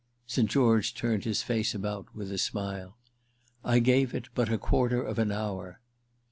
St. George turned his face about with a smile. "I gave it but a quarter of an hour."